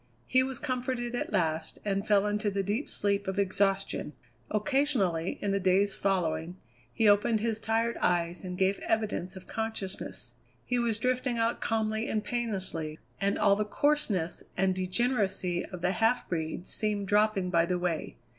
He was comforted at last, and fell into the deep sleep of exhaustion. Occasionally, in the days following, he opened his tired eyes and gave evidence of consciousness. He was drifting out calmly and painlessly, and all the coarseness and degeneracy of the half breed seemed dropping by the way.